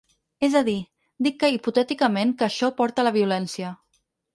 És a dir, dic que hipotèticament que això porta a la violència.